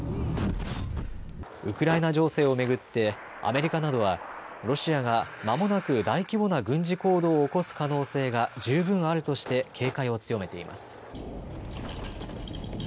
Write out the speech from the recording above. ウクライナ情勢を巡ってアメリカなどはロシアがまもなく大規模な軍事行動を起こす可能性が十分あるとして警戒を強めています。